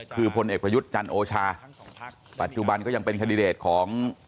คือพลเอกประยุทธ์จันโอชาปัจจุบันก็ยังเป็นคันดิเดตของ